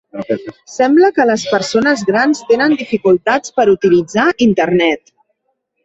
Sembla que les persones grans tenen dificultats per utilitzar Internet.